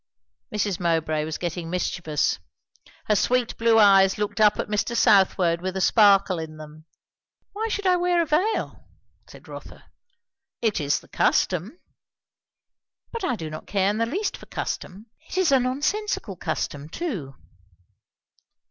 Mrs. Mowbray was getting mischievous. Her sweet blue eyes looked up at Mr. Southwode with a sparkle in them. "Why should I wear a veil?" said Rotha. "It is the custom." "But I do not care in the least for custom. It's a nonsensical custom, too."